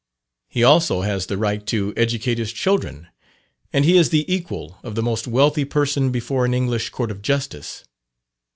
He also has the right to educate his children; and he is the equal of the most wealthy person before an English Court of Justice.